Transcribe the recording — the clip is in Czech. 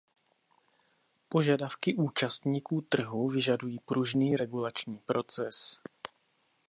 Požadavky účastníků trhu vyžadují pružný regulační proces.